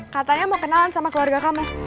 katanya mau kenalan sama keluarga kamu